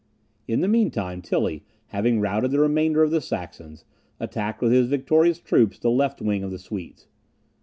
In the mean time, Tilly, having routed the remainder of the Saxons, attacked with his victorious troops the left wing of the Swedes.